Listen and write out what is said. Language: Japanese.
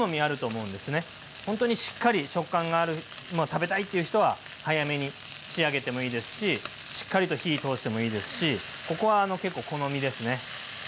本当にしっかり食感があるものを食べたいっていう人は早めに仕上げてもいいですししっかりと火通してもいいですしここは結構好みですね。